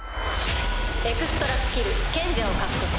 「エクストラスキル賢者を獲得。